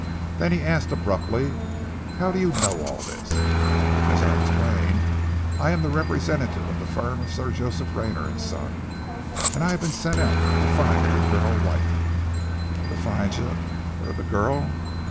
Then he asked abruptly, "How do you know all this?" "As I explained, I am the representative of the firm of Sir Joseph Rayner and Son, and I have been sent out to find the girl wife " "To find J er the girl?"